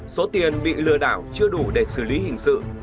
số tiền bị lừa đảo chưa đủ để xử lý hình sự